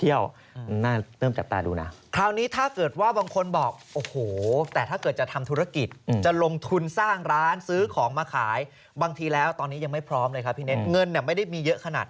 อยากขายสินค้ายังไงให้โดนใจคน